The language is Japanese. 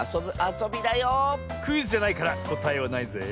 クイズじゃないからこたえはないぜ。